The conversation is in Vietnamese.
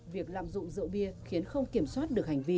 việc lạm dụng rượu bia khiến không kiểm soát được hành vi